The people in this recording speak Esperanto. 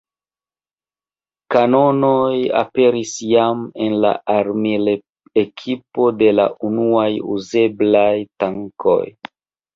Kanonoj aperis jam en la armil-ekipo de la unuaj uzeblaj tankoj.